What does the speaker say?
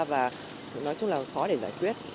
và nói chung là khó để giải quyết